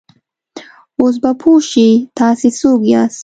اوس به پوه شې، تاسې څوک یاست؟